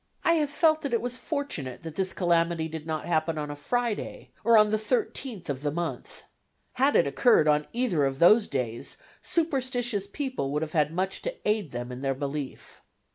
I have felt that it was fortunate that this calamity did not happen on a Friday, or on the 13th of the month. Had it occurred on either of those days, superstitious people would have had much to aid them in their belief.